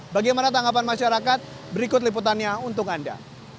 bagaimana tanggapan masyarakat berikut liputannya untuk anda